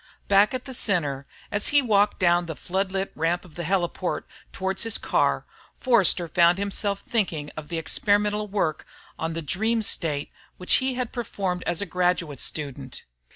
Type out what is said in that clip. Back at the Center, as he walked down the floodlit ramp of the heliport towards his car, Forster found himself thinking of the experimental work on the dream state which he had performed as a graduate student.